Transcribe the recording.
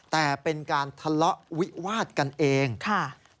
แต่เป็นการทะเลาะวิวาดกันเองค่ะ